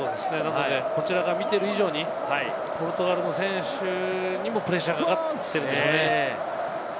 こちらが見ている以上にポルトガルの選手にもプレッシャーがかかっているんでしょうね。